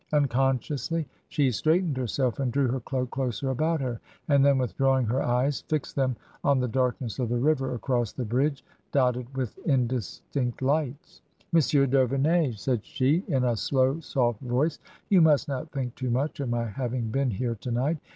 Unconsciously she straightened herself and drew her cloak closer about her, and then withdrawing her eyes, fixed them on the darkness of the river across the Bridge, dotted with indistinct lights. " Monsieur d'Auvemey," said she, in a slow, soft voice, " you must not think too much of my having been here to night.